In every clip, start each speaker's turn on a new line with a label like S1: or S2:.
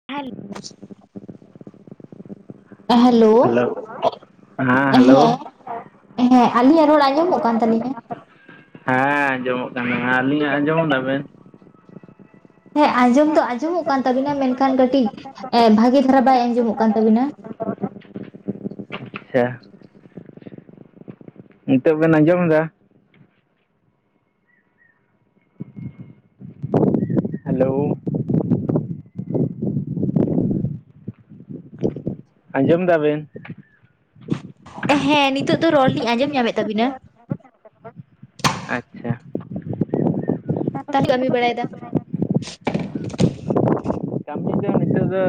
S1: [inaudible] Hello. ᱦᱮᱸ ᱦᱮᱸ ᱟᱹᱞᱤᱧᱟᱜ ᱨᱚᱲ ᱟᱧᱡᱚᱢ ᱚᱜ ᱠᱟᱱ ᱛᱟᱹᱞᱤᱧᱟ?
S2: ᱦᱮᱸ ᱟᱸᱡᱚᱢᱚᱜ ᱠᱟᱱᱟ ᱾ ᱟᱞᱤᱧ ᱟᱜ ᱟᱸᱡᱚᱢᱮᱫᱟ ᱵᱤᱱ?
S1: ᱦᱮᱸ ᱟᱸᱡᱚᱢ ᱫᱚ ᱟᱸᱡᱚᱢᱚᱜ ᱠᱟᱱ ᱛᱟᱵᱤᱱᱟ ᱢᱮᱱᱠᱷᱟᱱ ᱠᱟᱹᱴᱤᱡ ᱵᱷᱟᱜᱮ ᱫᱷᱟᱨᱟ ᱵᱟᱭ ᱟᱸᱡᱚᱢᱚᱜ ᱠᱟᱱ ᱛᱟᱵᱤᱱᱟ ᱾
S2: ᱟᱪᱪᱷᱟ ᱾ ᱱᱤᱛᱚᱜ ᱵᱮᱱ ᱟᱸᱡᱚᱢ ᱮᱫᱟ? ᱦᱮᱞᱳ ᱾ ᱟᱸᱡᱚᱢ ᱫᱟᱵᱤᱱ?
S1: ᱦᱮᱸ ᱱᱤᱛᱚᱜᱜ ᱫᱚ ᱨᱚᱲ ᱞᱤᱧ ᱟᱸᱡᱚᱢ ᱧᱟᱢᱮᱫ ᱛᱟᱵᱤᱱᱟ ᱾
S2: ᱟᱪᱪᱷᱟ ᱾
S1: ᱛ [inaudible] ᱠᱟᱹᱢᱤ ᱵᱟᱲᱟᱭᱮᱫᱟ ᱾
S2: ᱠᱟᱹᱢᱤ ᱫᱚ ᱱᱤ ᱱᱤᱛᱚᱜ ᱫᱚ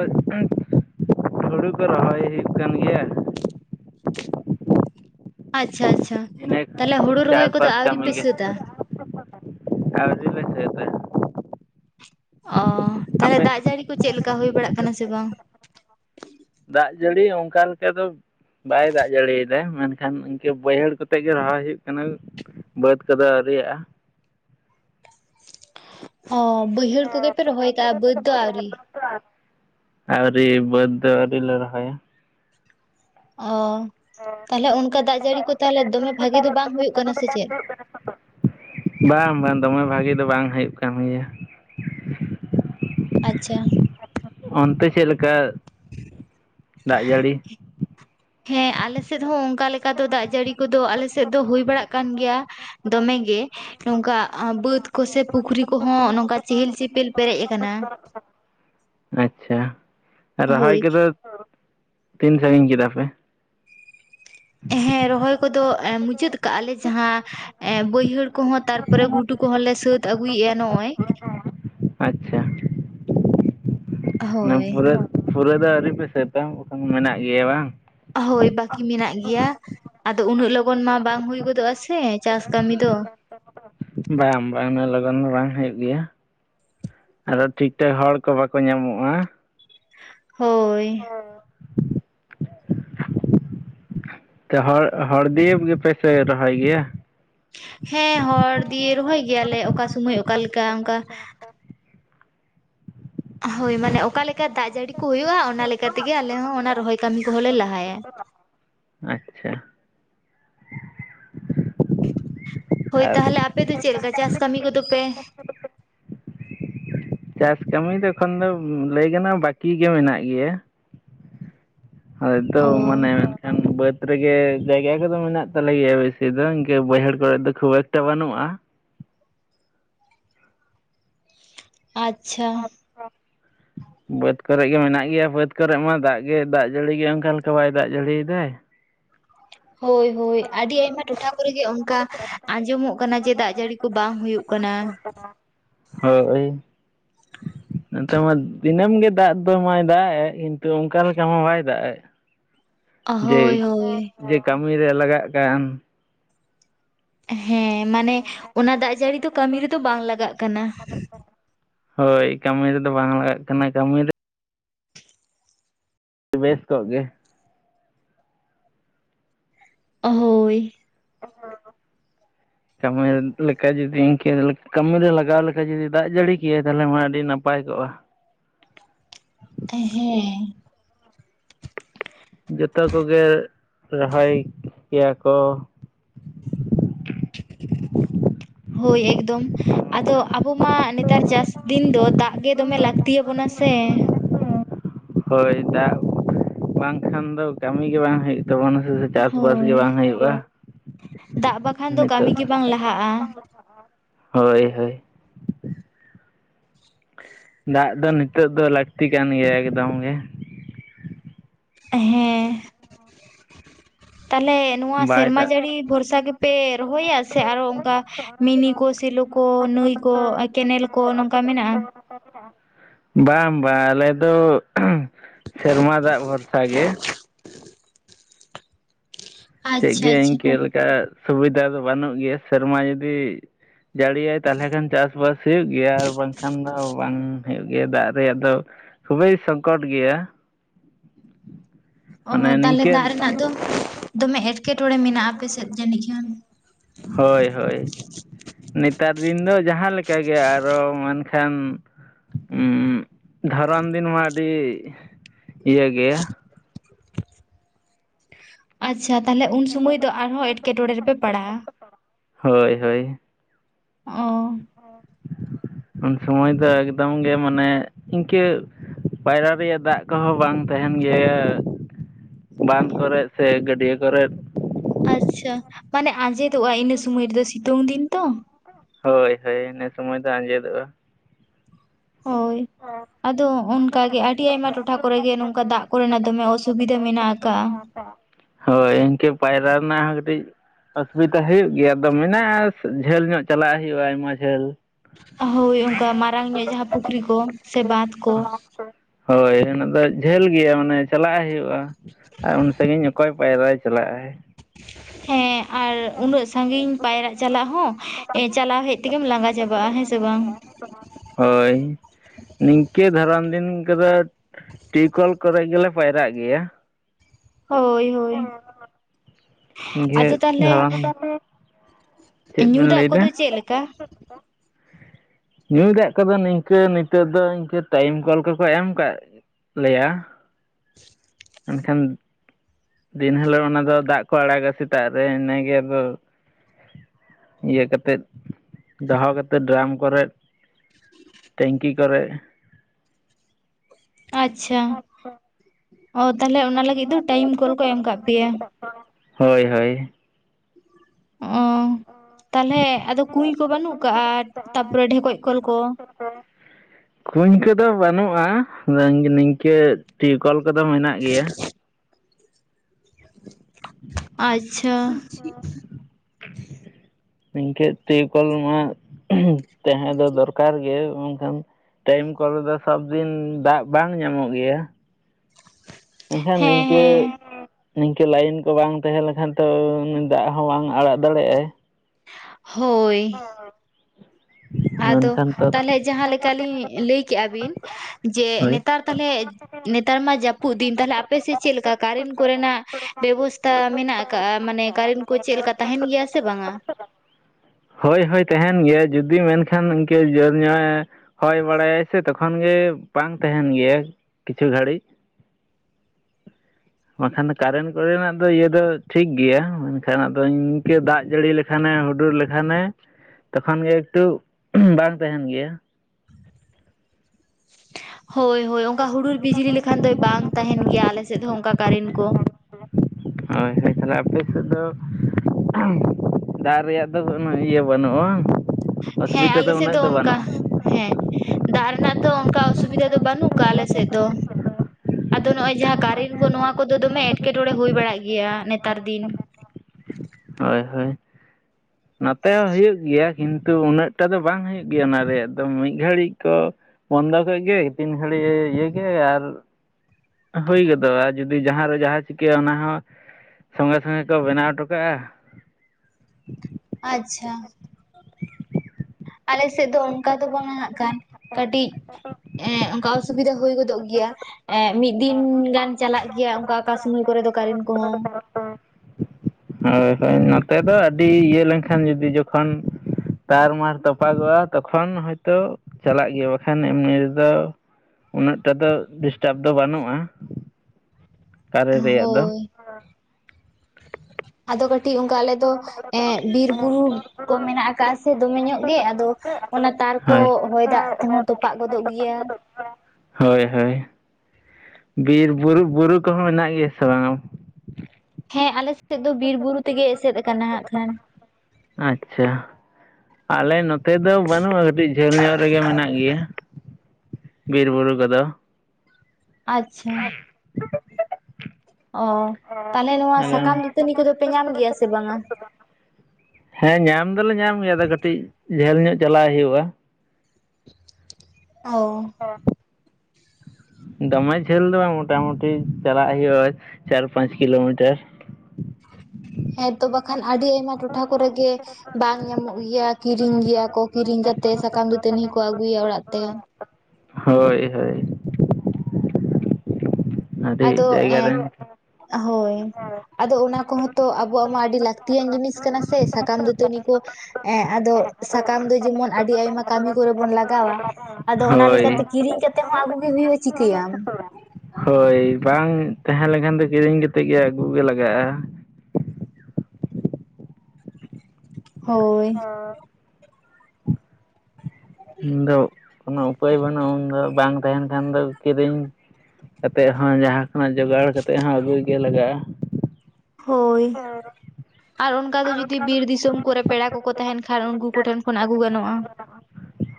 S2: ᱦᱩᱲᱩ ᱠᱚ ᱨᱚᱦᱚᱭ ᱦᱩᱭᱩᱜ ᱠᱟᱱᱟ ᱾
S1: ᱟᱪᱪᱷᱟ ᱟᱪᱪᱷᱟ
S2: ᱤᱱᱟᱹ
S1: ᱛᱟᱦᱚᱞᱮ ᱦᱩᱲᱩ ᱨᱚᱦᱚᱭ ᱠᱚᱫᱚ ᱟᱹᱣᱨᱤᱯᱮ ᱥᱟᱹᱛᱟ?
S2: [inaudible] ᱟᱣᱨᱤ ᱞᱮ ᱥᱟᱹᱛᱼᱟ ᱾
S1: ᱚ ᱛᱟᱦᱚᱞᱮ
S2: ᱟᱯᱮ
S1: ᱫᱟᱜ ᱡᱟᱹᱲᱤ ᱠᱚ ᱪᱮᱫᱞᱮ ᱞᱮᱠᱟ ᱦᱩᱭ ᱵᱟᱲᱟᱜ ᱠᱟᱱᱟ ᱥᱮ ᱵᱟᱝ?
S2: ᱫᱟᱜ ᱡᱟᱹᱲᱤ ᱚᱱᱠᱟᱱ ᱞᱮᱠᱟ ᱫᱚ ᱵᱟᱭ ᱫᱟᱜ ᱡᱟᱹᱲᱤᱭᱟᱮᱫᱟ ᱢᱮᱱᱠᱷᱟᱱ ᱤᱱᱠᱟᱹ ᱵᱟᱹᱭᱦᱟᱹᱲ ᱠᱚ ᱠᱟᱛᱮᱜ ᱜᱮ ᱨᱚᱦᱚᱭ ᱦᱩᱭᱩᱜ ᱠᱟᱱᱟ ᱾ ᱵᱟᱹᱫᱽ ᱠᱚᱫᱚ ᱟᱣᱨᱤᱟᱜᱼᱟ ᱾
S1: ᱚ ᱵᱟᱹᱭᱦᱟᱹᱲ ᱠᱚ ᱜᱮᱯᱮ ᱨᱚᱦᱚᱭᱠᱟ ᱵᱟᱹᱫ ᱚ ᱟᱣᱨᱤ?
S2: ᱟᱹᱣᱨᱤ ᱵᱟᱹᱫ ᱫᱚ ᱟᱣᱨᱤ ᱞᱮ ᱨᱚᱦᱚᱭᱼᱟ ᱾
S1: ᱚ ᱛᱟᱦᱚᱞᱮ ᱚᱱᱠᱟ ᱫᱟᱜ ᱡᱟᱹᱲᱤ ᱠᱚ ᱛᱟᱦᱚᱞᱮ ᱫᱚᱢᱮ ᱵᱷᱟᱜᱤ ᱫᱚ ᱵᱟᱝ ᱦᱩᱭᱩᱜ ᱠᱟᱱᱟ ᱥᱮ ᱪᱮᱫ?
S2: ᱵᱟᱝ ᱵᱟᱝ ᱫᱚᱢᱮ ᱵᱷᱟᱹᱜᱤ ᱫᱚ ᱵᱟᱝ ᱦᱩᱭᱩᱜ ᱠᱟᱱ ᱜᱮᱭᱟ ᱾
S1: ᱟᱪᱪᱷᱟ ᱾
S2: ᱚᱱᱛᱮ ᱪᱮᱜ ᱞᱮᱠᱟ ᱫᱟᱜ ᱡᱟᱹᱲᱤ?
S1: ᱦᱮᱸ ᱟᱞᱮᱥᱮᱫ ᱦᱚᱸ ᱚᱸ ᱚᱱᱠᱟ ᱞᱮᱠᱟ ᱫᱟᱜ ᱡᱟᱹᱲᱤ ᱠᱚᱫᱚ ᱟᱞᱮ ᱥᱮᱜ ᱫᱚ ᱦᱩᱭ ᱵᱟᱲᱟᱜ ᱠᱟᱱ ᱜᱮᱭᱟ ᱫᱚᱢᱮ ᱜᱮ᱾ ᱱᱚᱝᱠᱟ ᱵᱟᱹᱫᱽ ᱠᱚᱥᱮ ᱯᱩᱠᱷᱨᱤ ᱠᱚᱦᱚᱸ ᱱᱚᱝᱠᱟ ᱪᱮᱦᱮᱞ-ᱪᱮᱯᱮᱞ ᱯᱮᱨᱮᱜ ᱟᱠᱟᱱᱟ᱾
S2: ᱟᱪᱪᱷᱟ ᱨᱚᱦᱚᱭ
S1: ᱦᱳᱭ
S2: ᱠᱚᱫᱚ ᱛᱤᱱ ᱥᱟᱺᱜᱤᱧ ᱠᱮᱫᱟ ᱯᱮ?
S1: ᱦᱮ ᱨᱚᱦᱚᱭ ᱠᱚᱫᱚ ᱢᱩᱪᱟᱹᱫ ᱟᱠᱟᱜ ᱟᱞᱮ ᱡᱟᱦᱟᱸ ᱮ ᱵᱟᱹᱭᱦᱟᱹᱲ ᱠᱚᱸᱦᱚᱸ ᱛᱟᱨᱯᱚᱨᱮ ᱜᱷᱩᱴᱩ ᱠᱚᱦᱚᱸ ᱞᱮ ᱥᱟᱹᱛ ᱟᱹᱜᱩᱭᱮᱼᱟ ᱱᱚᱜᱼᱚᱭ
S2: ᱟᱪᱪᱷᱟ ᱾ ᱢᱟᱱᱮ
S1: ᱦᱳᱭ
S2: ᱯᱩᱨᱟᱹ ᱯᱩᱨᱟᱹ ᱫᱚ ᱟᱹᱣᱨᱤᱯᱮ ᱥᱟᱹᱛᱟ ᱵᱟᱝᱠᱷᱟᱱ ᱢᱮᱱᱟᱜ ᱜᱮᱭᱟ ᱵᱟᱝ?
S1: ᱦᱳᱭ ᱵᱟᱹᱠᱤ ᱢᱮᱱᱟᱜ ᱜᱮᱭᱟ, ᱟᱫᱚ ᱩᱱᱟᱹᱜ ᱞᱚᱜᱚᱱ ᱢᱟ ᱵᱟᱝ ᱦᱩᱭ ᱜᱚᱫᱚᱜ ᱟ ᱥᱮ ᱪᱟᱥ ᱠᱟᱹᱢᱤ ᱫᱚ ᱾
S2: [inaudible] ᱵᱟᱝ-ᱵᱟᱝ ᱩᱱᱟᱹᱜ ᱞᱚᱜᱚᱱ ᱫᱚ ᱵᱟᱝ ᱦᱩᱭᱩᱜ ᱜᱮᱭᱟ᱾ ᱟᱫᱚ ᱴᱷᱤᱠ ᱴᱷᱟᱠ ᱦᱚᱲ ᱠᱚ ᱵᱟᱠᱚ ᱧᱟᱢᱚᱜᱼᱟ,
S1: ᱦᱳᱭ ᱾
S2: ᱛᱚ ᱦᱚᱲ ᱦᱚᱲᱫᱤᱭᱮ ᱜᱮᱯᱮ ᱥᱟᱹᱭ ᱨᱦᱚᱭ ᱜᱮᱭᱟ?
S1: ᱦᱮᱸ ᱦᱚᱲ ᱫᱤᱭᱮ ᱨᱚᱦᱚᱭ ᱜᱮᱭᱟᱞᱮ, ᱚᱠᱟ ᱥᱚᱢᱚᱭ ᱚᱠᱟᱞᱮᱠᱟ ᱚᱸᱠᱟ, ᱦᱳᱭ ᱢᱟᱱᱮ ᱚᱠᱟ ᱞᱮᱠᱟ ᱫᱟᱜ ᱡᱟᱹᱲᱤ ᱠᱚ ᱦᱩᱭᱩᱜᱼᱟ, ᱚᱱᱟ ᱞᱮᱠᱟ ᱛᱮᱜᱮ ᱟᱞᱮ ᱦᱚᱸ ᱚᱱᱟ ᱨᱚᱦᱚᱭ ᱠᱟᱹᱢᱤ ᱠᱚᱦᱚᱸ ᱞᱮ ᱞᱟᱦᱟᱭᱟ᱾
S2: ᱟᱪᱪᱷᱟ
S1: ᱦᱳᱭ
S2: ᱟᱨ
S1: ᱛᱟᱦᱞᱮ ᱟᱯᱮ ᱫᱚ ᱪᱮᱜ ᱞᱮᱠᱟ ᱪᱟᱥ ᱠᱟᱹᱢᱤ ᱠᱚᱫᱚᱯᱮ
S2: ᱪᱟᱥ ᱠᱟᱹᱢᱤ ᱫᱚ ᱮᱠᱷᱚᱱ ᱫᱚ ᱞᱟᱹᱭ ᱜᱟᱱᱚᱜᱼᱟ ᱵᱟᱹᱠᱤ ᱜᱮ ᱢᱮᱱᱟᱜ ᱜᱮᱭᱟ, ᱟᱫᱚ
S1: ᱚ
S2: ᱱᱤᱛᱚᱜ ᱢᱟᱱᱮ ᱠᱷᱟᱱ ᱵᱟᱹᱫᱽ ᱨᱮᱜᱮ ᱡᱟᱭᱜᱟ ᱠᱚᱫᱚ ᱢᱮᱱᱟᱜ ᱛᱟᱞᱮ ᱜᱮᱭᱟ, ᱵᱮᱥᱤ ᱫᱚ ᱤᱱᱠᱟᱹ ᱵᱟᱹᱭᱦᱟᱹᱲ ᱠᱚᱨᱮ ᱫᱚ ᱠᱷᱩᱵ ᱮᱠᱴᱟ ᱵᱟᱹᱱᱩᱜᱼᱟ᱾
S1: ᱟᱪᱪᱷᱟ
S2: ᱵᱟᱹᱫᱽ ᱠᱚᱨᱮ ᱜᱮ ᱢᱮᱱᱟᱜ ᱜᱮᱭᱟ ᱵᱟᱹᱫᱽ ᱠᱚᱨᱮ ᱢᱟ ᱫᱟᱜ ᱜᱮ ᱫᱟᱜ ᱡᱟᱹᱲᱤ ᱜᱮ ᱚᱱᱠᱟ ᱞᱮᱠᱟ ᱵᱟᱭ ᱫᱟᱜ ᱡᱟᱹᱲᱤ ᱫᱟᱭ,
S1: ᱦᱳᱭ ᱦᱳᱭ ᱟᱹᱰᱤ ᱟᱭᱢᱟ ᱴᱚᱴᱷᱟ ᱠᱚᱨᱮᱜᱮ ᱚᱱᱠᱟ ᱟᱸᱡᱚᱢᱚᱜ ᱠᱟᱱᱟ ᱡᱮ ᱫᱟᱜ ᱡᱟᱹᱲᱤ ᱠᱚ ᱵᱟᱝ ᱦᱩᱭᱩᱜ ᱠᱟᱱᱟ᱾
S2: ᱚ ᱦᱳᱭ ᱱᱮᱛᱟᱨ ᱢᱟ ᱫᱤᱱᱟᱹᱢ ᱜᱮ ᱫᱟᱜ ᱫᱚ ᱢᱟᱭ ᱫᱟᱜ ᱮ, ᱠᱤᱱᱛᱩ ᱚᱱᱠᱟ ᱞᱮᱠᱟ ᱢᱟ ᱵᱟᱭ ᱫᱟᱜ ᱮᱫ ᱡᱮ
S1: ᱦᱳᱭ ᱦᱳᱭ
S2: ᱡᱮ ᱠᱟᱹᱢᱤᱨᱮ ᱞᱟᱜᱟᱜ ᱠᱟᱱ
S1: ᱦᱮᱸ ᱢᱟᱱᱮ ᱚᱱᱟ ᱫᱟᱜ ᱡᱟᱹᱲᱤ ᱫᱚ ᱢᱟᱱᱮ ᱠᱟᱹᱢᱤ ᱨᱮᱫᱚ ᱵᱟᱝ ᱞᱟᱜᱟᱜ ᱠᱟᱱᱟ᱾
S2: ᱦᱳᱭ ᱠᱟᱹᱢᱤ ᱨᱮᱫᱚ ᱵᱟᱝ ᱞᱟᱜᱟᱜ ᱠᱟᱱᱟ, ᱠᱟᱹᱢᱤ ᱨᱮ ᱵᱮᱥ ᱠᱚᱜ ᱜᱮ,
S1: ᱦᱳᱭ
S2: ᱠᱟᱹᱢᱤ ᱨᱮ ᱞᱮᱠᱟ ᱡᱩᱫᱤ ᱤᱸᱠᱟᱹ ᱠᱟᱹᱢᱤᱨᱮ ᱞᱟᱜᱟᱣ ᱞᱮᱠᱟ ᱡᱩᱫᱤ ᱫᱟᱜ ᱡᱟᱹᱲᱤ ᱠᱮᱭᱟᱭ ᱛᱟᱦᱞᱮ ᱢᱟ ᱟᱹᱰᱤ ᱱᱟᱯᱟᱭ ᱠᱚᱜᱼᱟ᱾
S1: ᱦᱮᱸ
S2: ᱡᱚᱛᱚ ᱠᱚᱜᱮ ᱨᱚᱦᱚᱭ ᱠᱮᱭᱟ ᱠᱚ,
S1: ᱦᱳᱭ ᱮᱠᱫᱚᱢ ᱟᱫᱚ ᱟᱵᱚ ᱢᱟ ᱱᱮᱛᱟᱨ ᱪᱟᱥ ᱫᱤᱱ ᱫᱚ ᱫᱟᱜ ᱜᱮ ᱫᱚᱢᱮ ᱞᱟᱹᱠᱛᱤ ᱭᱟᱵᱚᱱᱟ ᱥᱮ,
S2: ᱦᱳᱭ ᱫᱟᱜ ᱵᱟᱝᱠᱷᱟᱱ ᱫᱚ ᱠᱟᱹᱢᱤ ᱜᱮ ᱵᱟᱝ ᱦᱩᱭᱩᱜ ᱛᱟᱵᱚᱱᱟ ᱥᱮ ᱪᱟᱥᱵᱟᱥ ᱜᱮ
S1: ᱦᱳᱭ
S2: ᱵᱟᱝ ᱦᱩᱭᱩᱜᱼᱟ
S1: ᱫᱟᱜ ᱵᱟᱠᱷᱟᱱ ᱫᱚ
S2: ᱱᱤᱛᱚ
S1: ᱠᱟᱹᱢᱤ ᱜᱮ ᱵᱟᱝ ᱞᱟᱦᱟᱜᱼᱟ
S2: ᱦᱳᱭ-ᱦᱳᱭ ᱫᱟᱜ ᱫᱚ ᱱᱤᱛᱚᱜ ᱫᱚ ᱞᱟᱹᱠᱛᱤ ᱠᱟᱱ ᱜᱮᱭᱟ ᱮᱠᱫᱚᱢ ᱜᱮ᱾
S1: ᱦᱮᱸ ᱛᱟᱦᱞᱮ ᱱᱚᱣᱟ
S2: ᱵᱟᱭ
S1: ᱥᱮᱨᱢᱟ
S2: ᱫᱟᱜ
S1: ᱡᱟᱹᱲᱤ ᱵᱷᱚᱨᱥᱟ ᱜᱮᱯᱮ ᱨᱚᱦᱚᱭᱟ ᱥᱮ ᱟᱨᱚ ᱚᱸᱱᱠᱟ ᱢᱤᱱᱤ ᱠᱚ, ᱥᱮᱞᱚ ᱠᱚ, ᱱᱟᱹᱭ ᱠᱚ, ᱠᱮᱱᱮᱞ ᱠᱚ, ᱱᱚᱝᱠᱟ ᱢᱮᱱᱟᱜᱼᱟ᱾
S2: ᱵᱟᱝ ᱵᱟᱝ ᱟᱞᱮ ᱫᱚ ᱥᱮᱨᱢᱟ ᱫᱟᱜ ᱵᱷᱚᱨᱥᱟ ᱜᱮ᱾ ᱪᱮᱫ
S1: ᱟᱪᱪᱷᱟ
S2: ᱜᱮ
S1: ᱟᱪᱪᱷᱟ
S2: ᱤᱱᱠᱟᱹ ᱞᱮᱠᱟ ᱥᱩᱵᱤᱫᱷᱟ ᱫᱚ ᱵᱟᱹᱱᱩᱜ ᱜᱮᱭᱟ ᱥᱮᱨᱢᱟ ᱡᱩᱫᱤ ᱡᱟᱹᱲᱤᱭᱟᱭ ᱛᱟᱦᱚᱞᱮ ᱠᱷᱟᱱ ᱪᱟᱥᱵᱟᱥ ᱦᱩᱭᱩᱜ ᱜᱮᱭᱟ ᱟᱨ ᱵᱟᱝᱠᱷᱟᱱ ᱫᱚ ᱵᱟᱝ ᱦᱩᱭᱩᱜ ᱜᱮᱭᱟ ᱫᱟᱜ ᱨᱮᱭᱟᱜ ᱫᱚ ᱠᱷᱩᱵᱮ ᱥᱚᱝᱠᱚᱴ ᱜᱮᱭᱟ᱾
S1: ᱚ
S2: ᱢᱟᱱᱮ
S1: ᱛᱟᱦᱚᱞᱮ ᱫᱟᱜ
S2: ᱱᱤᱝᱠᱟᱹᱱ
S1: ᱨᱮᱱᱟᱜ ᱫᱚ ᱫᱚᱢᱮ ᱮᱴᱠᱮᱴᱚᱬᱮ ᱢᱮᱱᱟᱜᱼᱟ ᱟᱯᱮ ᱥᱮᱫ ᱡᱟᱹᱱᱤᱡ ᱠᱷᱟᱱ?
S2: ᱦᱳᱭ ᱦᱳᱭ᱾ ᱱᱮᱛᱟᱨ ᱫᱤᱱ ᱫᱚ ᱡᱟᱦᱟᱸ ᱞᱮᱠᱟ ᱜᱮ ᱟᱨᱚ ᱢᱮᱱᱠᱷᱟᱱ ᱩᱜ ᱫᱚᱨᱚᱱ ᱫᱤᱱ ᱢᱟ ᱟᱹᱰᱤ ᱤᱭᱟᱹ ᱜᱮᱭᱟ
S1: ᱟᱪᱪᱷᱟ ᱛᱟᱦᱚᱞᱮ ᱩᱱ ᱥᱩᱢᱟᱹᱭ ᱫᱚ ᱟᱨᱦᱚᱸ ᱮᱴᱠᱮᱴᱚᱬᱮ ᱨᱮᱯᱮ ᱯᱟᱲᱟᱜᱼᱟ᱾
S2: ᱦᱳᱭ ᱦᱳᱭ᱾
S1: ᱚᱻ
S2: ᱩᱱ ᱥᱚᱢᱚᱭ ᱫᱚ ᱮᱠᱫᱚᱢ ᱜᱮ ᱢᱟᱱᱮ ᱤᱱᱠᱟᱹ ᱯᱟᱭᱨᱟ ᱨᱮᱭᱟᱜ ᱫᱟᱜ ᱠᱚᱦᱚᱸ ᱵᱟᱝ ᱛᱟᱦᱮᱱ ᱜᱮᱭᱟ᱾ ᱵᱟᱸᱫᱷ ᱠᱚᱨᱮ ᱥᱮ ᱜᱟᱹᱰᱤᱭᱟᱹ ᱠᱚᱨᱮᱫ᱾
S1: ᱟᱪᱪᱷᱟ ᱢᱟᱱᱮ ᱟᱸᱡᱮᱫᱚᱜ-ᱟ ᱤᱱᱟᱹ ᱥᱩᱢᱚᱭ ᱨᱮᱫᱚ ᱥᱤᱛᱩᱝ ᱫᱤᱱ ᱛᱚ᱾
S2: ᱦᱳᱭ ᱦᱳᱭ ᱤᱱᱟᱹ ᱥᱚᱢᱟᱹᱭ ᱫᱚ ᱟᱸᱡᱮᱫᱚᱜᱼᱟ᱾
S1: ᱦᱳᱭ ᱟᱫᱚ ᱚᱱᱠᱟ ᱜᱮ ᱟᱹᱰᱤ ᱟᱭᱢᱟ ᱴᱚᱴᱷᱟ ᱠᱚᱨᱮᱜᱮ ᱱᱚᱝᱠᱟ ᱫᱟᱜ ᱠᱚᱨᱮᱱᱟᱜ ᱫᱚᱢᱮ ᱚᱥᱩᱵᱤᱫᱟ ᱢᱮᱱᱟᱜ ᱟᱠᱟᱜᱼᱟ᱾
S2: ᱦᱳᱭ ᱤᱱᱠᱟᱹ ᱯᱟᱭᱨᱟ ᱨᱮᱱᱟᱜ ᱦᱚᱸ ᱠᱟᱹᱴᱤᱡ ᱚᱥᱩᱵᱤᱫᱟ ᱦᱩᱭᱩᱜ ᱜᱮᱭᱟ ᱟᱫᱚ ᱢᱮᱱᱟᱜᱼᱟ ᱡᱷᱟᱹᱞ ᱧᱚᱜ ᱪᱟᱞᱟᱜ ᱦᱩᱭᱩᱜᱼᱟ ᱟᱭᱢᱟ ᱡᱷᱟᱹᱞ᱾
S1: ᱦᱳᱭ ᱚᱱᱠᱟ ᱢᱟᱨᱟᱝ ᱧᱚᱜ ᱡᱟᱦᱟᱸ ᱯᱩᱠᱷᱨᱤ ᱠᱚ ᱥᱮ ᱵᱟᱸᱫᱷ ᱠᱚ᱾
S2: ᱦᱳᱭ ᱚᱱᱟ ᱫᱚ ᱡᱷᱟᱹᱞ ᱜᱮᱭᱟ ᱢᱟᱱᱮ ᱪᱟᱞᱟᱜ ᱦᱩᱭᱩᱜᱼᱟ ᱟᱨ ᱩᱱ ᱥᱟᱴᱟᱹᱜᱤᱧ ᱚᱠᱚᱭ ᱯᱟᱭᱨᱟᱭ ᱪᱟᱞᱟᱜᱼᱟᱭ᱾
S1: [inaudible] ᱦᱮᱸ ᱟᱨ ᱩᱱᱟᱹᱜ ᱥᱟᱺᱜᱤᱧ ᱯᱟᱭᱨᱟᱜ ᱪᱟᱞᱟᱜ ᱦᱚᱸ ᱪᱟᱞᱟᱣ ᱦᱮᱡ ᱛᱮᱜᱮᱢ ᱞᱟᱸᱜᱟ ᱪᱟᱵᱟᱜᱼᱟ ᱦᱮᱸ ᱥᱮ ᱵᱟᱝ?
S2: [inaudible] ᱦᱳᱭ ᱱᱤᱝᱠᱟᱹ ᱫᱷᱚᱨᱚᱱ ᱫᱤᱱ ᱠᱚᱫᱚ ᱴᱤᱭᱩ ᱠᱚᱞ ᱠᱚᱨᱮ ᱜᱮᱞᱮ ᱯᱟᱭᱨᱟᱜ ᱜᱮᱭᱟ᱾
S1: ᱦᱳᱭ ᱦᱳᱭ ᱟᱫᱚ ᱛᱟᱦᱚᱞᱮ
S2: [unintelligible] ᱪᱮᱫ
S1: ᱧᱩ
S2: ᱵᱮᱱ
S1: ᱫᱟᱜ
S2: ᱞᱟᱹᱭᱫᱟ?
S1: ᱠᱚᱫᱚ ᱪᱮᱫ ᱞᱮᱠᱟ [inaudible]
S2: ᱧᱩᱭ ᱫᱟᱜ ᱠᱚᱫᱚ ᱱᱤᱝᱠᱟᱹ ᱱᱤᱛᱚᱜ ᱫᱚ ᱤᱱᱠᱟᱹ ᱴᱟᱭᱤᱢ ᱠᱚᱞ ᱠᱚᱠᱚ ᱮᱢ ᱠᱟᱫ ᱞᱮᱭᱟ᱾ ᱢᱮᱱᱠᱷᱟᱱ ᱫᱤᱱ ᱦᱤᱞᱳᱜ ᱚᱱᱟ ᱫᱚ ᱫᱟᱜ ᱠᱚ ᱟᱲᱟᱜᱟ ᱥᱮᱛᱟᱜ ᱨᱮ ᱤᱱᱟᱹᱜᱮ ᱟᱫᱚ ᱤᱭᱟᱹ ᱠᱟᱛᱮᱫ ᱫᱚᱦᱚ ᱠᱟᱛᱮᱫ ᱰᱮᱨᱟᱢ ᱠᱚᱨᱮ ᱴᱮᱝᱠᱤ ᱠᱚᱨᱮ᱾
S1: ᱟᱪᱪᱷᱟ ᱚ ᱛᱟᱦᱚᱞᱮ ᱚᱱᱟ ᱞᱟᱹᱜᱤᱫᱤ ᱫᱚ ᱴᱟᱭᱤᱢ ᱠᱚᱞ ᱠᱚ ᱮᱢ ᱟᱠᱟᱫ ᱯᱮᱭᱟ᱾
S2: ᱦᱳᱭ ᱦᱳᱭ᱾
S1: ᱚᱻ ᱛᱟᱦᱚᱞᱮ ᱟᱫᱚ ᱠᱩᱧ ᱠᱚ ᱵᱟᱹᱱᱩᱜ ᱠᱟᱜᱼᱟ ᱛᱟᱯᱚᱨᱮ ᱰᱷᱮᱠᱚᱡ ᱠᱚᱞ ᱠᱚ?
S2: ᱠᱩᱧ ᱠᱚᱫᱚ ᱵᱟᱹᱱᱩᱜᱼᱟ [unintelligible] ᱱᱤᱝᱠᱟᱹ ᱴᱤᱭᱩ ᱠᱚᱞ ᱠᱚᱫᱚ ᱢᱮᱱᱟᱜ ᱜᱮᱭᱟ᱾
S1: ᱟᱪᱪᱷᱟ᱾
S2: [inaudible] ᱱᱤᱝᱠᱟᱹ ᱴᱤᱭᱩ ᱠᱚᱞ ᱢᱟ ᱛᱟᱦᱮᱸ ᱫᱚ ᱫᱚᱨᱠᱟᱨ᱾ ᱫᱚᱠᱟᱨ ᱜᱮ ᱵᱟᱝᱠᱷᱟᱱ ᱴᱟᱭᱤᱢ ᱠᱚᱞ ᱨᱮᱫᱚ ᱥᱚᱵ ᱫᱤᱱ ᱫᱟᱜ ᱵᱟᱝ ᱧᱟᱢᱚᱜ ᱜᱮᱭᱟ᱾ ᱮᱠᱷᱟᱱ
S1: ᱦᱮᱸ
S2: ᱱᱤᱝᱠᱟᱹ
S1: ᱦᱮᱸ
S2: ᱱᱤᱝᱠᱟᱹ ᱞᱟᱭᱤᱱ ᱠᱚ ᱵᱟᱝ ᱛᱟᱦᱮᱸᱞᱮᱱ ᱠᱷᱟᱱ ᱛᱚ ᱩᱱᱤ ᱫᱟᱜ ᱦᱚᱸ ᱵᱟᱝ ᱟᱲᱟᱜ ᱫᱟᱲᱮᱜ-ᱟᱭ᱾
S1: ᱦᱳᱭ᱾
S2: [inaudible]
S1: ᱟᱫᱚ
S2: ᱢᱮᱱᱠᱷᱟᱱ ᱛᱚ
S1: ᱛᱟᱦᱚᱞᱮ ᱡᱟᱦᱟᱸ ᱞᱮᱠᱟᱞᱤᱧ ᱞᱟᱹᱭ ᱠᱮᱜᱼᱟ ᱵᱤᱱ ᱡᱮ
S2: ᱦᱳᱭ
S1: ᱱᱮᱛᱟᱨ ᱛᱟᱦᱚᱞᱮ ᱱᱮᱛᱟᱨ ᱢᱟ ᱡᱟᱹᱯᱩᱫ ᱫᱤᱱ ᱛᱟᱦᱞᱮ ᱟᱯᱮᱥᱮᱫ ᱪᱮᱫ ᱞᱮᱠᱟ ᱠᱟᱨᱮᱱᱴ ᱠᱚᱨᱮᱱᱟᱜ ᱵᱮᱵᱚᱥᱛᱟ ᱢᱮᱱᱟᱜ ᱠᱟᱜ-ᱟ ᱢᱟᱱᱮ ᱠᱟᱨᱮᱱᱴ ᱠᱚ ᱪᱮᱫ ᱞᱮᱠᱟ ᱛᱟᱦᱮᱱ ᱜᱮᱭᱟ ᱥᱮ ᱵᱟᱝᱟ?
S2: ᱦᱳᱭ ᱦᱳᱭ ᱛᱟᱦᱮᱱ ᱜᱮᱭᱟ ᱡᱩᱫᱤ ᱢᱮᱱᱠᱷᱟᱱ ᱤᱱᱠᱟᱹ ᱡᱳᱨ ᱧᱚᱜ ᱮ ᱦᱚᱭ ᱵᱟᱲᱟᱭᱟᱭ ᱥᱮ ᱛᱚᱠᱷᱚᱱ ᱜᱮ ᱵᱟᱝ ᱛᱟᱦᱮᱱ ᱜᱮᱭᱟ ᱠᱤᱪᱷᱩ ᱜᱷᱟᱹᱲᱤᱡ᱾ ᱵᱟᱠᱷᱟᱱ ᱫᱚ ᱠᱟᱨᱮᱱᱴ ᱠᱚᱨᱮᱱᱟᱜ ᱫᱚ ᱤᱭᱟᱹ ᱫᱚ ᱴᱷᱤᱠ ᱜᱮᱭᱟ ᱢᱮᱱᱠᱷᱟᱱ ᱟᱫᱚ ᱤᱱᱠᱟᱹ ᱫᱟᱜ ᱡᱟᱹᱲᱤ ᱞᱮ ᱠᱷᱟᱱᱮ ᱦᱩᱰᱩᱨ ᱞᱮᱠᱷᱟᱱᱮ ᱛᱚᱠᱷᱚᱱ ᱜᱮ ᱮᱠᱴᱩ ᱵᱟᱝ ᱛᱟᱦᱮᱱ ᱜᱮᱭᱟ᱾
S1: ᱦᱳᱭ ᱦᱳᱭ ᱚᱱᱠᱟ ᱦᱩᱲᱩᱨ ᱵᱤᱡᱽᱞᱤ ᱞᱮᱠᱷᱟᱱ ᱫᱚ ᱵᱟᱝ ᱛᱟᱦᱮᱱ ᱜᱮᱭᱟ ᱟᱞᱮ ᱥᱮᱫ ᱦᱚᱸ ᱚᱱᱠᱟ ᱠᱟᱨᱮᱱᱴ ᱠᱚ᱾
S2: ᱦᱳᱭ ᱦᱳᱭ ᱛᱟᱦᱮ ᱟᱯᱮ ᱥᱮᱫ ᱫᱚ ᱫᱟᱜ ᱨᱮᱭᱟᱜ ᱫᱚ ᱠᱳᱱᱳ ᱤᱭᱟᱹ ᱵᱟᱹᱱᱩᱜᱼᱟ ᱵᱟᱝ,
S1: ᱦᱮᱸ
S2: ᱚᱥᱩᱵᱤᱫᱟ ᱫᱚ
S1: ᱟᱞᱮ ᱥᱮᱫ
S2: ᱩᱱᱟᱹᱜ ᱫᱚ
S1: ᱚᱱᱠᱟ
S2: ᱵᱟᱹᱱᱩᱜᱼᱟ᱾
S1: ᱦᱮᱸ, ᱫᱟᱜ ᱨᱮᱱᱟᱜ ᱛᱚ ᱚᱝᱠᱟ ᱚᱥᱩᱵᱤᱫᱷᱟ ᱫᱚ ᱵᱟᱹᱱᱩᱜ ᱠᱟᱜᱼᱟ ᱟᱞᱮ ᱥᱮᱫ ᱫᱚ ᱾ ᱟᱫᱚ ᱱᱚᱜᱼᱚᱭ ᱡᱟᱦᱟᱸ ᱠᱟᱨᱮᱱ ᱠᱚ ᱱᱚᱣᱟ ᱠᱚᱫᱚ ᱫᱚᱢᱮ ᱮᱴᱠᱮᱴᱚᱬᱮ ᱦᱩᱭ ᱵᱟᱲᱟᱜ ᱜᱮᱭᱟ ᱱᱮᱛᱟᱨ ᱫᱤᱱ᱾
S2: ᱦᱚᱭ ᱦᱚᱭ ᱾ ᱱᱚᱛᱮ ᱦᱚᱸ ᱦᱩᱭᱩᱜ ᱜᱮᱭᱟ, ᱠᱤᱱᱛᱩ ᱩᱱᱟᱹᱜ ᱴᱟ ᱫᱚ ᱵᱟᱝ ᱦᱩᱭᱩᱜ ᱜᱮᱭᱟ ᱚᱱᱟ ᱨᱮᱭᱟᱜ ᱫᱚ ᱢᱤᱫ ᱜᱷᱟᱹᱲᱤᱡ ᱠᱚ ᱵᱚᱱᱫᱚ ᱠᱮᱜ ᱜᱮ ᱛᱤᱱ ᱜᱷᱟᱹᱲᱤᱡ ᱮ ᱤᱭᱟᱹ ᱜᱮ ᱟᱨ ᱦᱩᱭ ᱜᱚᱫᱚᱜᱼᱟ ᱟᱨ ᱡᱩᱫᱤ ᱡᱟᱦᱟᱸ ᱨᱮ ᱡᱟᱦᱟᱸ ᱪᱤᱠᱟᱹᱜᱼᱟ ᱚᱱᱟ ᱦᱚᱸ ᱥᱚᱝᱜᱮ ᱥᱚᱝᱜᱮ ᱠᱚ ᱵᱮᱱᱟᱣ ᱦᱚᱴᱚ ᱠᱟᱜᱼᱟ᱾
S1: ᱟᱪᱪᱷᱟ᱾ ᱟᱞᱮ ᱥᱮᱫ ᱫᱚ ᱚᱱᱠᱟ ᱫᱚ ᱵᱟᱝᱟ ᱦᱟᱸᱜ ᱠᱷᱟᱱ ᱠᱟᱹᱴᱤᱡ ᱮᱸ ᱚᱱᱠᱟ ᱚᱥᱩᱵᱤᱫᱷᱟ ᱦᱩᱭ ᱜᱚᱫᱚᱜ ᱜᱮᱭᱟ ᱾ ᱮᱸ ᱢᱤᱫ ᱫᱤᱱ ᱜᱟᱱ ᱪᱟᱞᱟᱜ ᱜᱮᱭᱟ ᱚᱝᱠᱟ ᱟᱠᱟ ᱥᱩᱢᱚᱭ ᱠᱚᱨᱮ ᱫᱚ ᱠᱟᱨᱤᱱ ᱠᱚᱦᱚᱸ ᱾
S2: ᱦᱳᱭ ᱦᱳᱭ ᱱᱚᱛᱮ ᱫᱚ ᱟᱹᱰᱤ ᱤᱭᱟᱹ ᱞᱮᱝᱠᱷᱟᱱ ᱡᱩᱫᱤ ᱡᱚᱠᱷᱚᱱ ᱛᱟᱨᱢᱟᱨ ᱛᱚᱯᱟᱜᱚᱜᱼᱟ ᱛᱚᱠᱷᱚᱱ ᱦᱚᱭ ᱛᱚ ᱪᱟᱞᱟᱜ ᱜᱮᱭᱟ ᱵᱟᱠᱷᱟᱱ ᱮᱢᱱᱤ ᱨᱮᱫᱚ ᱩᱱᱟᱹᱜ ᱴᱟ ᱫᱚ ᱰᱤᱥᱴᱟᱯ ᱫᱚ ᱵᱟᱹᱱᱩᱜᱼᱟ ᱾ ᱠᱟᱨᱮᱱ ᱨᱮᱭᱟᱜ ᱫᱚ ᱾
S1: ᱦᱳᱭ ᱟᱫᱚ ᱠᱟᱹᱴᱤᱡ ᱚᱝᱠᱟ ᱟᱞᱮ ᱫᱚ ᱮ ᱵᱤᱨ ᱵᱩᱨᱩ ᱠᱚ ᱢᱮᱱᱟᱜ ᱟᱠᱟᱜᱼᱟ ᱥᱮ ᱫᱚᱢᱮ ᱧᱚᱜ ᱜᱮ, ᱟᱫᱚ ᱚᱱᱟ ᱛᱟᱨ ᱠᱚ
S2: ᱦᱳᱭ
S1: ᱦᱚᱭ ᱫᱟᱜ ᱛᱮᱦᱚᱸ ᱛᱚᱯᱟᱜ ᱜᱚᱫᱚᱜ ᱜᱮᱭᱟ ᱾
S2: ᱦᱳᱭ ᱦᱳᱭ ᱵᱤᱨ ᱵᱩᱨᱩ ᱵᱩᱨᱩ ᱠᱚᱦᱚᱸ ᱢᱮᱱᱟᱜ ᱜᱮᱭᱟ ᱥᱮ ᱵᱟᱝᱼᱟ?
S1: ᱦᱮᱸ ᱟᱞᱮᱥᱮᱫ ᱫᱚ ᱵᱤᱨ ᱵᱩᱨᱩ ᱛᱮᱜᱮ ᱮᱥᱮᱫ ᱟᱠᱟᱱᱟ ᱦᱟᱸᱜ ᱠᱷᱟᱱ ᱾
S2: ᱟᱪᱪᱷᱟ, ᱟᱞᱮ ᱱᱚᱛᱮ ᱫᱚ ᱵᱟᱹᱱᱩᱜᱼᱟ ᱠᱟᱹᱴᱤᱡ ᱡᱷᱟᱹᱞ ᱧᱚᱜ ᱨᱮᱜᱮ ᱢᱮᱱᱟᱜ ᱜᱮᱭᱟ ᱾ ᱵᱤᱨᱵᱩᱨᱩ ᱠᱚ ᱫᱚ ᱾
S1: ᱟᱪᱪᱷᱟ᱾ ᱚ, ᱛᱟᱦᱚᱞᱮ ᱱᱚᱣᱟ
S2: ᱟᱫᱚ
S1: ᱥᱟᱠᱟᱢ ᱫᱟᱹᱛᱟᱹᱱᱤ ᱠᱚ ᱫᱚ ᱯᱮ ᱧᱟᱢ ᱜᱮᱭᱟ ᱥᱮ ᱵᱟᱝᱟ?
S2: ᱦᱮᱸ ᱧᱟᱢ ᱫᱚᱞᱮ ᱧᱟᱢ ᱜᱮᱭᱟ, ᱟᱫᱚ ᱠᱟᱹᱴᱤᱡ ᱡᱷᱟᱹᱞ ᱧᱚᱜ ᱪᱟᱞᱟᱜ ᱦᱩᱭᱩᱜᱼᱟ᱾
S1: ᱚ ᱾
S2: ᱫᱚᱢᱮ ᱡᱷᱟᱹᱞ ᱫᱚ ᱵᱟᱝ ᱢᱚᱴᱟᱢᱩᱴᱤ ᱪᱟᱞᱟᱜ ᱦᱩᱭᱩᱜᱼᱟ ᱪᱟᱨ ᱯᱟᱸᱪ ᱠᱤᱞᱳᱢᱤᱴᱟᱨ ᱾
S1: ᱦᱮᱸ ᱛᱚ ᱵᱟᱠᱷᱟᱱ ᱟᱹᱰᱤ ᱟᱭᱢᱟ ᱴᱚᱴᱷᱟ ᱠᱚᱨᱮ ᱜᱮ ᱵᱟᱝ ᱧᱟᱢᱚᱜ ᱜᱮᱭᱟ ᱠᱤᱨᱤᱧ ᱜᱮᱭᱟ ᱠᱚ ᱠᱤᱨᱤᱧ ᱠᱟᱛᱮ ᱥᱟᱠᱟᱢ ᱫᱟᱹᱛᱟᱹᱱᱤ ᱠᱚ ᱟᱹᱜᱩᱭᱟ ᱚᱲᱟᱜ ᱛᱮ᱾
S2: ᱦᱳᱭ ᱦᱳᱭ ᱾ ᱟᱹᱰᱤ
S1: ᱟᱫᱚ
S2: ᱡᱟᱭᱜᱟ
S1: ᱮ
S2: ᱨᱮᱱ
S1: ᱦᱳᱭ ᱾ ᱟᱫᱚ ᱚᱱᱟ ᱠᱚᱦᱚᱸ ᱛᱚ ᱟᱵᱚᱣᱟᱜ ᱢᱟ ᱟᱹᱰᱤ ᱞᱟᱹᱠᱛᱤᱭᱟᱱ ᱡᱤᱱᱤᱥ ᱠᱟᱱᱟ ᱥᱮ ᱥᱟᱠᱟᱢ ᱫᱟᱹᱛᱟᱹᱱᱤ ᱠᱚ ᱾ ᱮᱜ ᱟᱫᱚ ᱥᱟᱠᱟᱢ ᱫᱚ ᱡᱮᱢᱚᱱ ᱟᱹᱰᱤ ᱟᱭᱢᱟ ᱠᱟᱹᱢᱤ ᱠᱚᱨᱮ ᱵᱚᱱ ᱞᱟᱜᱟᱣᱟ ᱾ ᱟᱫᱚ ᱚᱱᱟ
S2: ᱦᱳᱭ
S1: ᱞᱮᱠᱟᱛᱮ ᱠᱤᱨᱤᱧ ᱠᱟᱛᱮ ᱦᱚᱸ ᱟᱹᱜᱩ ᱜᱮ ᱦᱩᱭᱩᱜᱼᱟ ᱪᱤᱠᱟᱹᱭᱟᱢ!
S2: ᱦᱳᱭ ᱵᱟᱝ ᱛᱟᱦᱮᱸᱞᱮᱠᱷᱟᱱ ᱫᱚ ᱠᱤᱨᱤᱧ ᱠᱮᱛᱮᱡ ᱜᱮ ᱟᱹᱜᱩ ᱜᱮ ᱞᱟᱜᱟᱜᱼᱟ᱾
S1: ᱦᱳᱭ᱾
S2: ᱤᱧ ᱫᱚ ᱚᱱᱟ ᱩᱯᱟᱹᱭ ᱵᱟᱹᱱᱩᱜᱼᱟ ᱩᱱ ᱫᱚ ᱵᱟᱝ ᱛᱟᱦᱮᱱ ᱠᱷᱟᱱ ᱫᱚ ᱠᱤᱨᱤᱧ ᱠᱟᱛᱮᱫ ᱦᱚᱸ ᱡᱟᱦᱟᱸ ᱠᱷᱚᱱᱟᱜ ᱡᱚᱜᱟᱲ ᱠᱟᱛᱮᱫ ᱦᱚᱸ ᱟᱹᱜᱩᱭ ᱜᱮ ᱞᱟᱜᱟᱜᱼᱟ ᱾
S1: ᱦᱳᱭ, ᱟᱨ ᱚᱱᱠᱟ ᱫᱚ ᱡᱩᱫᱤ ᱵᱤᱨ ᱫᱤᱥᱚᱢ ᱠᱚᱨᱮ ᱯᱮᱲᱟ ᱠᱚᱠᱚ ᱛᱟᱦᱮᱱ ᱠᱷᱟᱱ ᱩᱱᱠᱩ ᱠᱚᱴᱷᱮᱱ ᱠᱷᱚᱱ ᱟᱹᱜᱩ ᱜᱟᱱᱚᱜᱼᱟ ᱾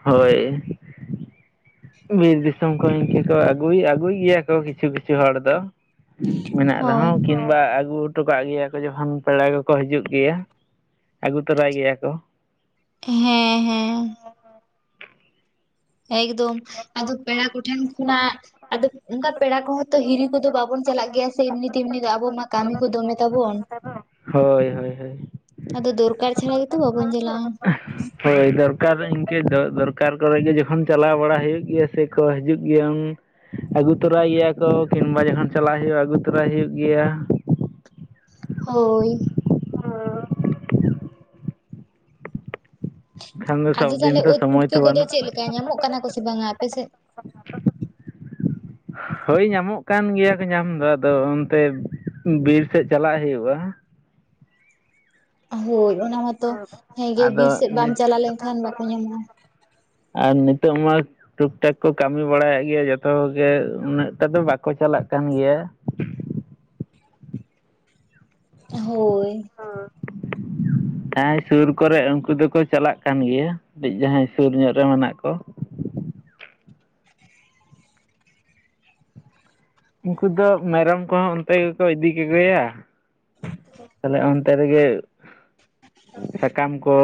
S2: ᱦᱳᱭ, ᱵᱤᱨ ᱫᱤ ᱥᱚᱢ ᱠᱚ ᱤᱝᱠᱟᱹ ᱠᱚ ᱟᱹᱜᱩᱭ ᱟᱹᱜᱩᱭ ᱜᱮᱭᱟ ᱠᱚ ᱠᱤᱪᱷᱩ ᱠᱤᱪᱷᱩ ᱦᱚᱲ ᱫᱚ ᱢᱮᱱᱟᱜ
S1: ᱦᱳᱭ
S2: ᱨᱮᱦᱚᱸ ᱠᱤᱱ ᱵᱟ ᱟᱹᱜᱩ ᱦᱚᱴᱚ ᱠᱟᱜ ᱜᱮᱭᱟ ᱠᱚ ᱡᱚᱠᱷᱚᱱ ᱯᱮᱲᱟ ᱠᱚᱠᱚ ᱦᱟᱡᱩᱜ ᱜᱮᱭᱟ ᱟᱹᱜᱩ ᱛᱚᱨᱟᱭ ᱜᱮᱭᱟ ᱠᱚ ᱾
S1: ᱦᱮᱸ ᱦᱮᱸ ᱾ ᱮᱠᱫᱚᱢ, ᱟᱫᱚ ᱯᱮᱲᱟ ᱠᱚ ᱴᱷᱮᱱ ᱠᱷᱚᱱᱟᱜ ᱟᱫᱚ ᱚᱝᱠᱟ ᱯᱮᱲᱟ ᱠᱚᱦᱚᱸ ᱛᱚ ᱦᱤᱨᱤ ᱠᱚᱫᱚ ᱵᱟᱵᱚᱱ ᱪᱟᱞᱟᱜ ᱜᱮᱭᱟ ᱥᱮ ᱮᱢᱱᱤ ᱛᱮᱢᱱᱤ ᱫᱚ᱾ ᱟᱵᱚ ᱢᱟ ᱠᱟᱹᱢᱤ ᱠᱚ ᱫᱚᱢᱮ ᱛᱟᱵᱚᱱ᱾
S2: ᱦᱳᱭ ᱦᱳᱭ ᱦᱳᱭ᱾
S1: ᱟᱫᱚ ᱫᱚᱨᱠᱟᱨ ᱪᱷᱟᱲᱤᱡ ᱛᱚ ᱵᱟᱵᱚᱱ ᱪᱮᱞᱟᱜ᱾
S2: [inaudible] ᱦᱳᱭ ᱫᱚᱨᱠᱟᱨ ᱤᱝᱠᱟᱹ ᱫᱚ ᱫᱚᱨᱠᱟᱨ ᱠᱚᱨᱮ ᱜᱮ ᱡᱚᱠᱷᱚᱱ ᱪᱟᱞᱟᱣ ᱵᱟᱲᱟ ᱦᱩᱭᱩᱜ ᱜᱮᱭᱟ ᱥᱮ ᱠᱚ ᱦᱤᱡᱩᱜ ᱜᱮᱭᱟ ᱩᱱ ᱟᱹᱜᱩ ᱛᱚᱨᱟᱭ ᱜᱮᱭᱟ ᱠᱚ ᱠᱤᱢᱵᱟ ᱡᱚᱠᱷᱚᱱ ᱪᱟᱞᱟᱜ ᱦᱩᱭᱩᱜᱼᱟ ᱟᱹᱜᱩ ᱛᱚᱨᱟᱭ ᱦᱩᱭᱩᱜ ᱜᱮᱭᱟ᱾
S1: ᱦᱳᱭ᱾
S2: ᱠᱷᱟᱱ ᱫᱚ
S1: ᱟᱫᱚ
S2: ᱥᱚᱵ ᱫᱤᱱ
S1: ᱛᱟᱦᱚᱞᱮ
S2: ᱛᱚ
S1: ᱩᱫ
S2: ᱥᱚᱢᱚᱭ
S1: ᱯᱩᱴᱠᱟᱹ
S2: ᱛᱚ
S1: ᱠᱚᱫᱚ
S2: ᱵᱟᱹᱱᱩᱜ
S1: ᱪᱮᱫ ᱞᱮᱠᱟ ᱧᱟᱢᱚᱜ ᱠᱟᱱᱟ ᱠᱚ ᱥᱮ ᱵᱟᱝᱟ ᱟᱯᱮ ᱥᱮᱫ?
S2: ᱦᱳᱭ ᱧᱟᱢᱚᱜ ᱠᱟᱱ ᱜᱮᱭᱟ ᱠᱚ ᱧᱟᱢ ᱫᱚ ᱟᱫᱚ ᱚᱱᱛᱮ ᱵᱤᱨ ᱥᱮᱫ ᱪᱟᱞᱟᱜ ᱦᱩᱭᱩᱜᱼᱟ᱾
S1: ᱦᱳᱭ ᱚᱱᱟ ᱢᱟᱛᱚ ᱦᱮᱸ ᱜᱮ ᱵᱤᱨ
S2: ᱟᱫᱚ
S1: ᱥᱮᱫ ᱵᱟᱢ
S2: ᱱᱤᱛ
S1: ᱪᱟᱞᱟᱣ ᱞᱮᱱᱠᱷᱟᱱ ᱵᱟᱠᱚ ᱧᱟᱢᱚᱜᱼᱟ᱾
S2: ᱟᱨ ᱱᱤᱛᱚᱜ ᱢᱟ ᱴᱩᱠ ᱴᱟᱠ ᱠᱚ ᱠᱟᱹᱢᱤ ᱵᱟᱲᱟᱭᱮᱫ ᱜᱮᱭᱟ ᱡᱚᱛᱚ ᱠᱚᱜᱮ ᱩᱱᱟᱹᱜ ᱴᱟᱜ ᱫᱚ ᱵᱟᱠᱚ ᱪᱟᱞᱟᱜ ᱠᱟᱱ ᱜᱮᱭᱟ᱾
S1: ᱦᱳᱭ᱾
S2: [unintelligible] ᱥᱩᱨ ᱠᱚᱨᱮ ᱩᱝᱠᱩ ᱫᱚᱠᱚ ᱪᱟᱞᱟᱜ ᱠᱟᱱ ᱜᱮᱭᱟ, ᱡᱟᱦᱟᱸᱭ ᱥᱩᱨ ᱧᱚᱜ ᱨᱮ ᱢᱮᱱᱟᱜ ᱠᱚ᱾ ᱩᱝᱠᱩ ᱫᱚ ᱢᱮᱨᱚᱢ ᱠᱚᱦᱚᱸ ᱚᱱᱛᱮ ᱜᱮᱠᱚ ᱠᱚ ᱜᱮᱭᱟ᱾ ᱛᱟᱦᱚᱞᱮ ᱛᱮ ᱨᱮᱜᱮ, ᱥᱟᱠᱟᱢ ᱠᱚ,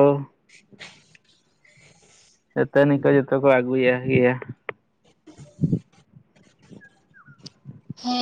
S2: ᱫᱟᱹᱛᱟᱹᱱᱤ ᱠᱚ ᱡᱷᱚᱛᱚ ᱠᱚ ᱟᱹᱜᱩᱭᱟ ᱜᱮᱭᱟ᱾
S1: ᱦᱮᱸ᱾